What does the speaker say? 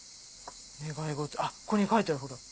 願い事あっここに書いてある。